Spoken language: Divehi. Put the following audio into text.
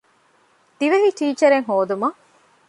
ދިވެހި ޓީޗަރެއް ހޯދުމަށް